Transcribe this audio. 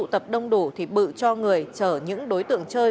trong cuộc chiến đấu bự cho người chở những đối tượng chơi